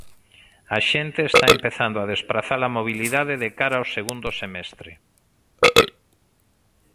A xente está empezando a desprazar a mobilidade de cara ao segundo semestre.